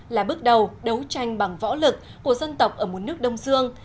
là bước đầu đấu tranh bằng võ lực của dân tộc ở một nước đông dương